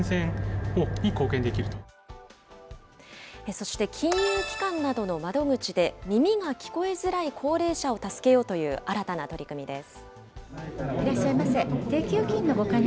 そして金融機関などの窓口で、耳が聞こえづらい高齢者を助けようという新たな取り組みです。